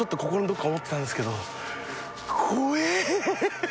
怖え。